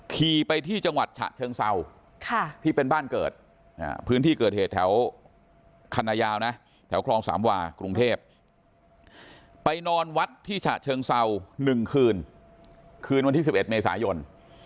ขี่ไปที่จังหวัดฉะเชิงเศร้าที่เป็นบ้านเกิดพื้นที่เกิดเหตุแถวคันนายาวนะแถวคลองสามวากรุงเทพไปนอนวัดที่ฉะเชิงเศร้า๑คืนคืนวันที่๑๑เมษายน